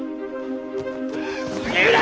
杉浦！